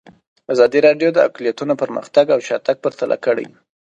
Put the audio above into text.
ازادي راډیو د اقلیتونه پرمختګ او شاتګ پرتله کړی.